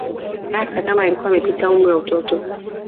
Hasa kama alikuwa amepita umri wa utoto